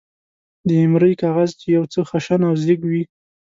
د ایمرۍ کاغذ، چې یو څه خشن او زېږ وي.